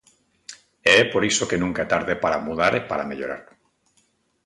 E é por iso que nunca é tarde para mudar e para mellorar.